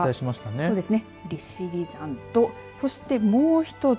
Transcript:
そうですね、利尻山とそしてもう１つ。